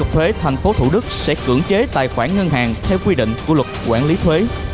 thành phố thủ đức sẽ cưỡng chế tài khoản ngân hàng theo quy định của luật quản lý thuế